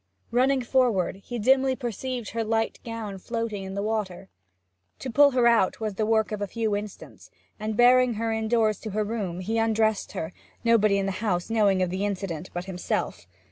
Running forward, he dimly perceived her light gown floating in the water. To pull her out was the work of a few instants, and bearing her indoors to her room, he undressed her, nobody in the house knowing of the incident but himself.